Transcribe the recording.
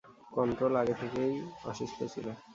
Control আগে থেকেই অসুস্থ ছিল।